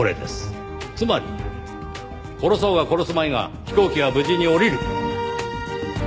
つまり殺そうが殺すまいが飛行機は無事に降りる！